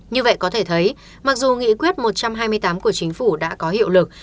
như vậy có thể thấy mặc dù nghị quyết một trăm hai mươi tám của chính phủ đã có hiệu lực